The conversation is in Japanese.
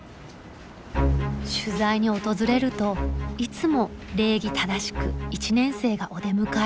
取材に訪れるといつも礼儀正しく１年生がお出迎え。